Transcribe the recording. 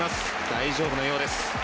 大丈夫なようです。